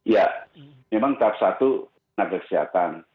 ya memang tahap satu tenaga kesehatan